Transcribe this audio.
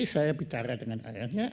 saya berbicara dengan ayahnya